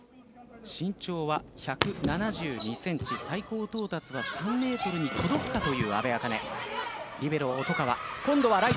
身長は１７２ｃｍ最高到達は３ｍに届くかという阿部明音。